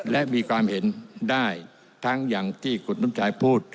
และมีความเห็นได้ทั้งอย่างที่คุณน้ำชายพูด